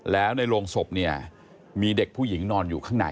แล้วในโรงศพเนี่ยมีเด็กผู้หญิงนอนอยู่ข้างใน